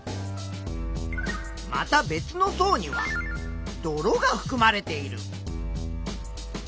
また別の層には泥がふくまれている。